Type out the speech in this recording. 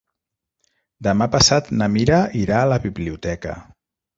Demà passat na Mira irà a la biblioteca.